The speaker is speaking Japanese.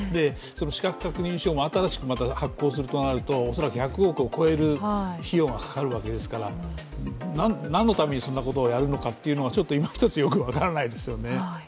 資格確認書を新しく発行するとなると恐らく１００億を超える費用がかかるわけですから、何のためにそんなことをやるのかちょっと今ひとつよく分からないですよね。